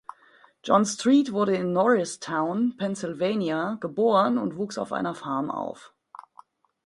John Street wurde in Norristown, Pennsylvania geboren und wuchs auf einer Farm auf.